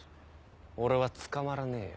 俺は捕まらねえよ